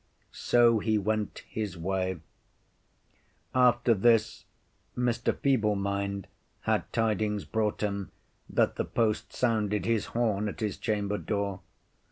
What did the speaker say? So he went his way. After this Mr. Feeble mind had tidings brought him that the post sounded his horn at his chamber door.